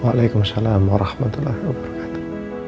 waalaikumsalam warahmatullahi wabarakatuh